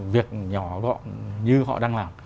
việc nhỏ gọn như họ đang làm